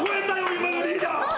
今のリーダー。